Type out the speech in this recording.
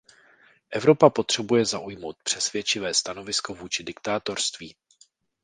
Evropa potřebuje zaujmout přesvědčivé stanovisko vůči diktátorství.